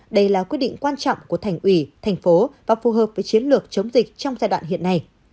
đây là quyết định quan trọng của thành ủy thành phố và phù hợp với chiến lược chống dịch trong giai đoạn hiện nay